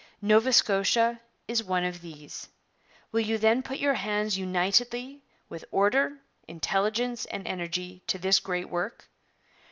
Nova Scotia is one of these. Will you then put your hands unitedly, with order, intelligence, and energy, to this great work?